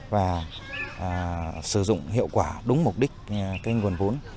và sử dụng hiệu quả đúng mục đích nguồn vốn